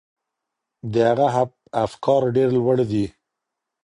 د هغه افکار ډیر لوړ دي.